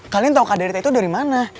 galian tau kak daryta itu dari mana